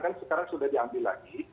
kan sekarang sudah diambil lagi